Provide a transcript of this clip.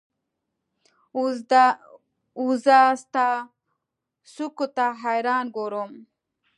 اوزه ستا څوکو ته حیران ګورم